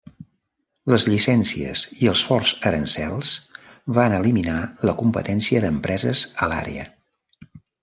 Les llicències i els forts aranzels van eliminar la competència d'empreses a l'àrea.